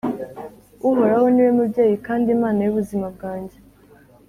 Uhoraho niwe mubyeyi kandi Mana y’ubuzima bwanjye,